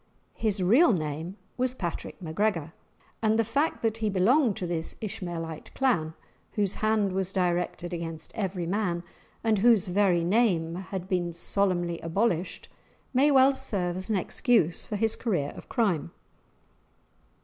His real name was Patrick MacGregor, and the fact that he belonged to this Ishmaelite clan, whose hand was directed against every man, and whose very name had been solemnly abolished, may well serve as an excuse for his career of crime.